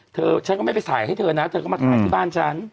เธอฉันก็ไม่ไปถ่ายให้เธอนะเธอก็มาถ่ายที่บ้านฉัน